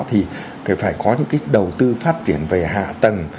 thì phải có những cái đầu tư phát triển về hạ tầng